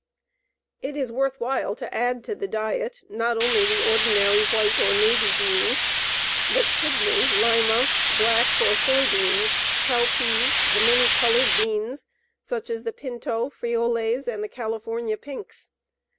It is worth while to add to the diet not only the ordinary white or navy beans, but kidney, lima, black or soy beans, cow peas, the many colored beans such as the pinto, frijoles, and the California pinks.